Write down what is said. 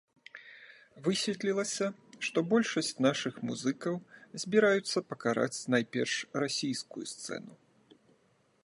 Высветлілася, што большасць нашых музыкаў збіраюцца пакараць найперш расійскую сцэну.